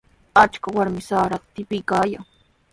Achka warmi sarata tipiykaayan.